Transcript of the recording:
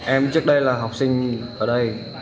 em trước đây là học sinh ở đây